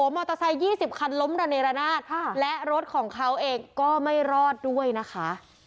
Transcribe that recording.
มอเตอร์ไซค์๒๐คันล้มระเนรนาศและรถของเขาเองก็ไม่รอดด้วยนะคะ